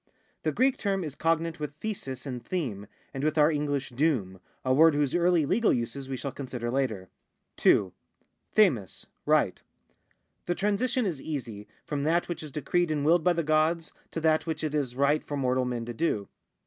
The Greek term is cognate with thesis and theme, and with our English doom, a word whose early legal uses we shall consider later. 2. QifXLQ, right. The transition is easy from that which is decreed and willed by the gods, to that which it is right for mortal men to do.